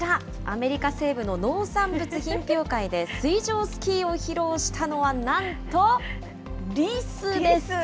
アメリカ西部の農産物品評会で、水上スキーを披露したのは、なんとリスです。